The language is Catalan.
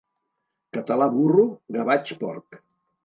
Català burro, gavatx porc.